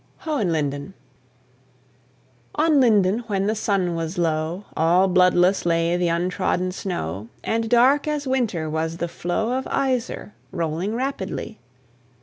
HOHENLINDEN. On Linden, when the sun was low, All bloodless lay th' untrodden snow; And dark as winter was the flow Of Iser, rolling rapidly.